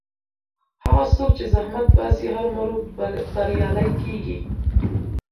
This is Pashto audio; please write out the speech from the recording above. هغه څوک چې زحمت باسي هرو مرو بریالی کېږي.